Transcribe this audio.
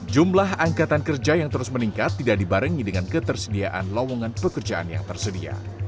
jumlah angkatan kerja yang terus meningkat tidak dibarengi dengan ketersediaan lowongan pekerjaan yang tersedia